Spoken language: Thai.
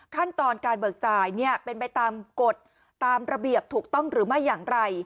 ขั้นตอนการเบิกจ่ายเป็นไปตามกฎตามระเบียบถูกต้องหรือไม่อย่างไร